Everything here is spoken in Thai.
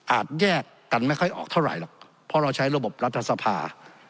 แยกกันไม่ค่อยออกเท่าไหร่หรอกเพราะเราใช้ระบบรัฐสภา